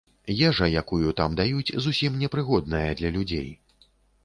Ежа, якую там даюць, зусім не прыгодная для людзей.